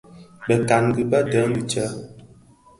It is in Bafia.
Bekangi bëdhen dhi tsè?